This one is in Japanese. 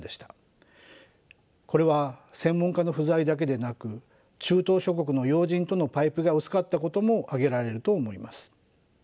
これは専門家の不在だけでなく中東諸国の要人とのパイプが薄かったことも挙げられると思います。